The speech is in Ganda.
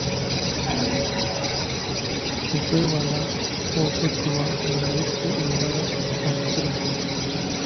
Okwewala okuttibwa ng'ayise ewala akira.